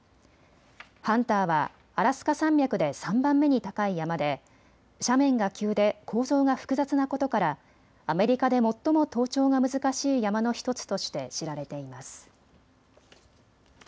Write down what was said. ハンターはアラスカ山脈で３番目に高い山で斜面が急で構造が複雑なことからアメリカで最も登頂が難しい山の１つとして知られています。